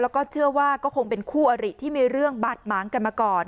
แล้วก็เชื่อว่าก็คงเป็นคู่อริที่มีเรื่องบาดหมางกันมาก่อน